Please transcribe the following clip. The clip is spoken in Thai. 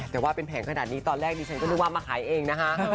แต่ว่าเป็นแผงขนาดนี้ตอนแรกดิฉันก็นึกว่ามาขายเองนะคะ